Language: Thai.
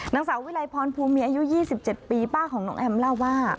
นางสาววิลัยพรภูมิมีอายุ๒๗ปีป้าของน้องแอมเล่าว่า